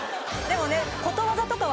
でもね。